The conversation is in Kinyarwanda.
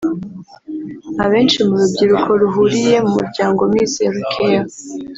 Abenshi mu rubyiruko ruhuriye mu muryango Mizero Care